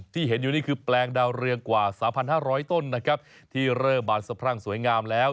ที่เห็นอยู่นี่คือแปลงดาวเรืองกว่า๓๕๐๐ต้นนะครับที่เริ่มบานสะพรั่งสวยงามแล้ว